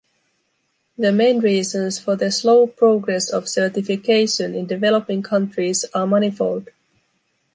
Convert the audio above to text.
The main reasons for the slow progress of certification in developing countries are manifold.